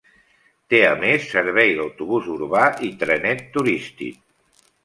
Té a més servei d'autobús urbà i trenet turístic.